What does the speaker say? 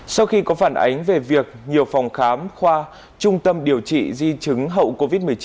sau khi có phản ánh về việc nhiều phòng khám khoa trung tâm điều trị di chứng hậu covid một mươi chín